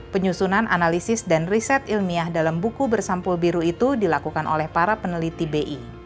penyusunan analisis dan riset ilmiah dalam buku bersampul biru itu dilakukan oleh para peneliti bi